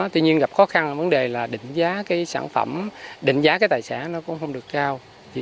tuy nhiên gặp khó khăn vấn đề là định giá cái sản phẩm định giá cái tài sản nó cũng không được cao